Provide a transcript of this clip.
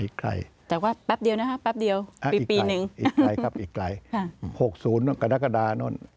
อีกไกลแต่ว่าแป๊บเดียวนะฮะแป๊บเดียวอ๋อเปียกปีหนึ่งอีกไกลครับ